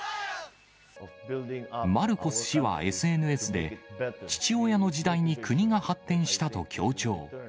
マルコス氏はＳＮＳで、父親の時代に国が発展したと強調。